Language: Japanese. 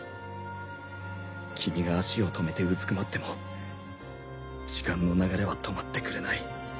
君が足を止めてうずくまっても時間の流れは止まってくれない。